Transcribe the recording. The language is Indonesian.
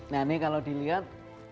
nah ini kalau dilihat